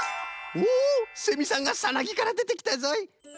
おセミさんがサナギからでてきたぞい。